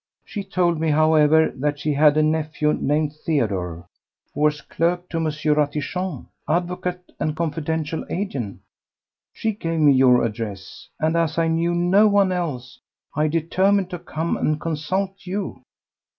She told me, however, that she had a nephew named Theodore, who was clerk to M. Ratichon, advocate and confidential agent. She gave me your address; and as I knew no one else I determined to come and consult you."